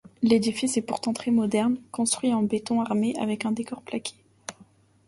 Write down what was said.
L'édifice est pourtant très moderne, construit en béton armé avec un décor plaqué.